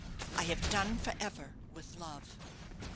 I have done for ever with love!"